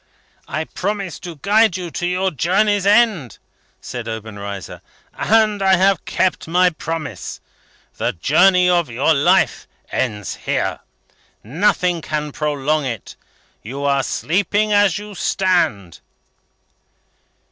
"I promised to guide you to your journey's end," said Obenreizer, "and I have kept my promise. The journey of your life ends here. Nothing can prolong it. You are sleeping as you stand."